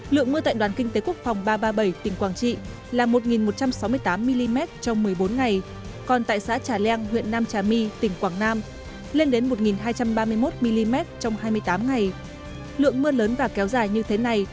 lượng mưa tại đoàn kinh tế quốc phòng ba trăm ba mươi bảy tỉnh quảng trị là một một trăm sáu mươi tám mm trong một mươi bốn ngày còn tại xã trà leng huyện nam trà my tỉnh quảng nam lên đến một hai trăm ba mươi một mm trong hai mươi tám ngày